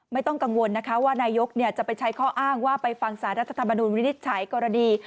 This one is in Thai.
ไม่ต้องกังวลนะคะว่านายกจะไปใช้ข้ออ้างว่าไปฟังสารรัฐธรรมนุนวินิจฉัยกรณี